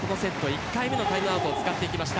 １回目のタイムアウトを使いました。